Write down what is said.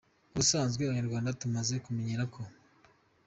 Ubusanzwe abanyarwanda tumaze kumenyera ko .